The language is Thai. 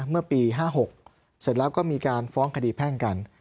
เมื่อปี๕๖เสร็จแล้วก็มีการฟ้องคดีแพ่งกัน